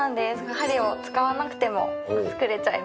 針を使わなくても作れちゃいます。